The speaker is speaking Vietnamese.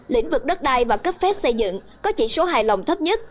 lĩnh vực đất đai và cấp phép xây dựng có chỉ số hài lòng thấp nhất